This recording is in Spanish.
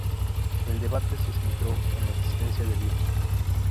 El debate se centró en la existencia de Dios.